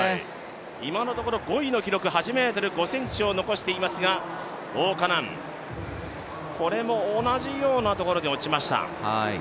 今のところ５位の記録、８ｍ５ｃｍですがこれも同じようなところで落ちました。